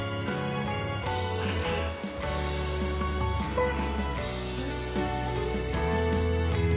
うん。